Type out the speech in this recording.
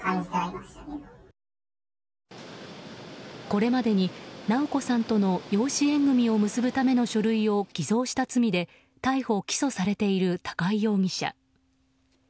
これまでに直子さんとの養子縁組を結ぶための書類を偽造した罪で逮捕・起訴されている高井容疑者。